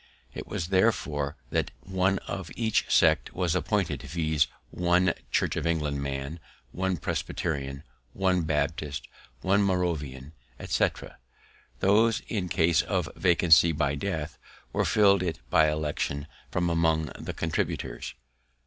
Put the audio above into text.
It was therefore that one of each sect was appointed, viz., one Church of England man, one Presbyterian, one Baptist, one Moravian, etc., those, in case of vacancy by death, were to fill it by election from among the contributors.